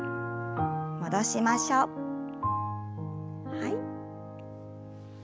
はい。